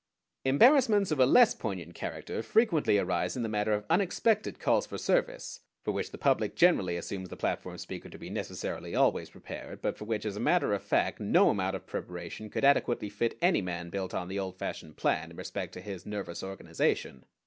Embarrassments of a less poignant character frequently arise in the matter of unexpected calls for service, for which the public generally assumes the platform speaker to be necessarily always prepared, but for which as a matter of fact no amount of preparation could adequately fit any man built on the old fashioned plan in respect to his nervous organization.